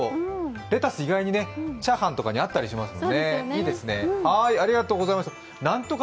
レタス、意外にチャーハンとかに合ったりしますよね。